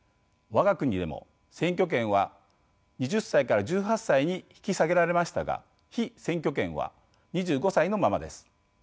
我が国でも選挙権は２０歳から１８歳に引き下げられましたが被選挙権は２５歳のままです。